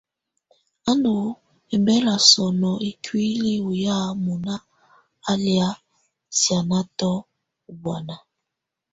Á ndù ɔmbɛla sɔnɔ ikuili ɔ́ yá mɔna á lɛ̀á sianɛnatɔ ú bɔ̀ána.